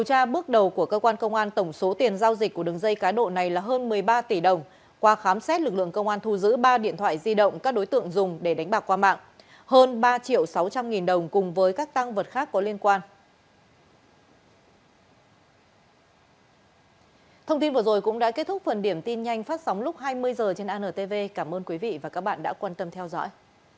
chúng đã kết thúc phần điểm tin nhanh phát sóng lúc hai mươi h trên antv cảm ơn quý vị và các bạn đã quan tâm theo dõi